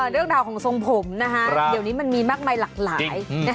เรื่องราวของทรงผมเดี๋ยวนี้มันมีมากมายหลากหลาย